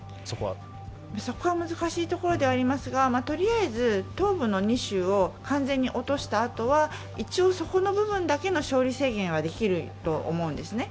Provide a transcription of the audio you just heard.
そこは難しいところではありますが、とりあえず東部の２州を完全に落としたあとは一応、そこの部分だけの勝利宣言はできると思うんですね。